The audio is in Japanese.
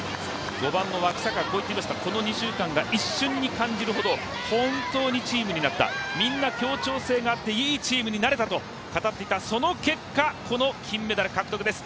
５番の脇阪はこう言っていました、この２週間が一瞬に思えるほど本当にチームになった、みんな協調性があって、いいチームになれたと語っていた、その結果、この金メダル獲得です。